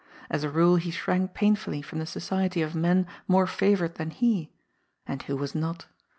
As a rule he shrank painfully from the society of men more favoured than he— and who was not?